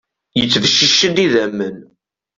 Yettbeccic-d idammen.